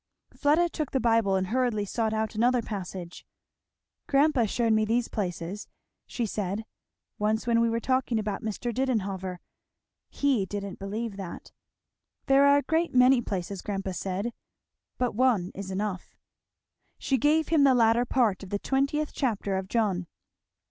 Fleda took the Bible and hurriedly sought out another passage. "Grandpa shewed me these places," she said, "once when we were talking about Mr. Didenhover he didn't believe that. There are a great many other places, grandpa said; but one is enough;" She gave him the latter part of the twentieth chapter of John.